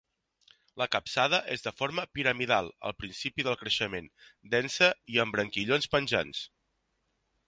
La capçada és de forma piramidal al principi del creixement, densa i amb branquillons penjants.